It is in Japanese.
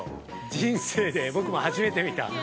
人生で僕も初めて見た。